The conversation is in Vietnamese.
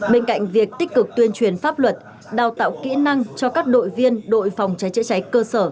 bên cạnh việc tích cực tuyên truyền pháp luật đào tạo kỹ năng cho các đội viên đội phòng cháy chữa cháy cơ sở